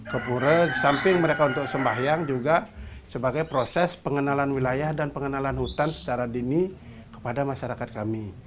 ke pura di samping mereka untuk sembahyang juga sebagai proses pengenalan wilayah dan pengenalan hutan secara dini kepada masyarakat kami